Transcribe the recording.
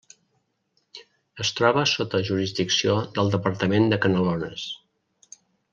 Es troba sota jurisdicció del departament de Canelones.